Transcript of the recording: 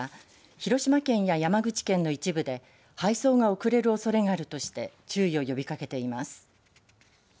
広島県や山口県の一部で配送が遅れるおそれがあるとして注意を呼びかけています。